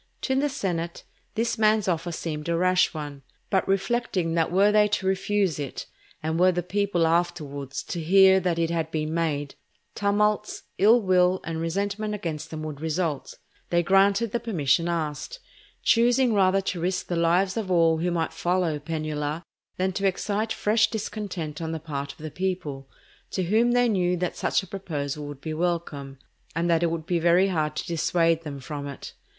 To the senate this man's offer seemed a rash one; but reflecting that were they to refuse it, and were the people afterwards to hear that it had been made, tumults, ill will, and resentment against them would result, they granted the permission asked; choosing rather to risk the lives of all who might follow Penula, than to excite fresh discontent on the part of the people, to whom they knew that such a proposal would be welcome, and that it would be very hard to dissuade them from it.